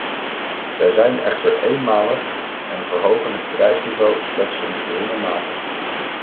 Ze zijn echter eenmalig en verhogen het prijsniveau slechts in geringe mate.